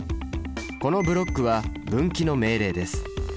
このブロックは分岐の命令です。